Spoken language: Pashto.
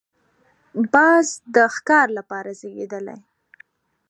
باز د ښکار لپاره زېږېدلی دی